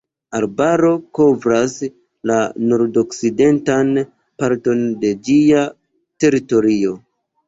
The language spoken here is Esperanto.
Arbaro kovras la nordokcidentan parton de ĝia teritorio.